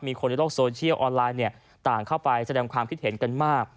คนในโลกโซเชียลออนไลน์ต่างเข้าไปแสดงความคิดเห็นกันมาก